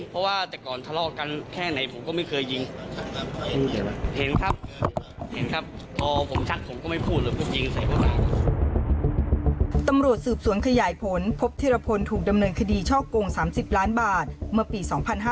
ตำรวจสืบสวนไขยายผลพบทีรพลถูกดำเนินคดีช่อกง๓๐ล้านบาทเมื่อปี๒๕๕๗